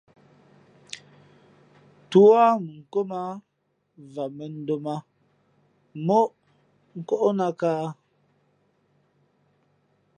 Tú á mʉnkóm ā, vam mᾱndōm ā móʼ kóʼnāt kāhā ?